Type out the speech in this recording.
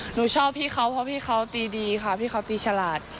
หนูชอบพี่เขาเพราะพี่เขาตีดีค่ะพี่เขาตีฉลาด